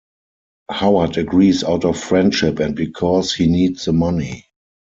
Howard agrees out of friendship and because he needs the money.